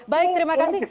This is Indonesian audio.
baik terima kasih